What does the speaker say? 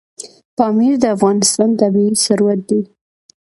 پامیر د افغانستان طبعي ثروت دی.